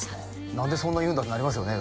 何でそんな言うんだってなりますよね